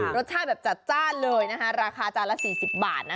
รสชาติแบบจัดจ้านเลยนะคะราคาจานละ๔๐บาทนะ